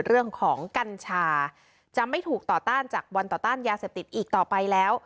กัญชาจะไม่ถูกต่อต้านจากวันต่อต้านยาเสพติดอีกต่อไปแล้ว